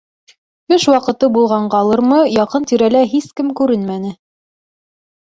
Төш ваҡыты булғанғалырмы, яҡын-тирәлә һис кем күренмәне.